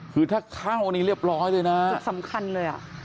คือถ้าเข้านี่เรียบร้อยเลยนะจุดสำคัญเลยอ่ะ